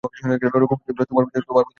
রঘুপতি কহিলেন, তোমার প্রতি মায়ের আদেশ আছে।